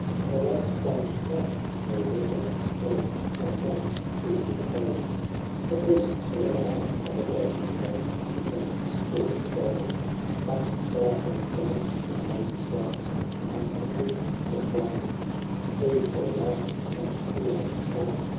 Nor love*s fond troth, nor wedlodi's oath, One gallant could withhold. For priests will allow of a broken vow, For penance or iat gold. But sig^ and glance from ladies bright Among the troop were thrown. To plead their right, and true love plight.